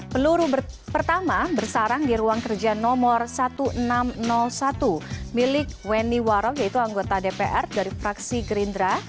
peluru pertama bersarang di ruang kerja nomor seribu enam ratus satu milik weni warong yaitu anggota dpr dari fraksi gerindra